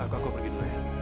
aku pergi dulu ya